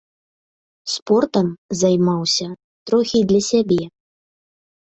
Спортам займаўся трохі для сябе.